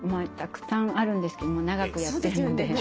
たくさんあるんですけど長くやってるので。